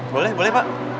boleh boleh pak